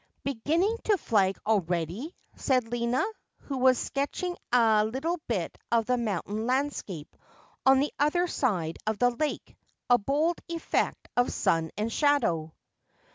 ' Beginning to flag already ?' said Lina, who was sketching a little bit of the mountain landscape on the other side of the lake, a bold effect of sun and shadow.